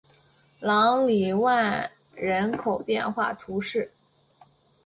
朗里万人口变化图示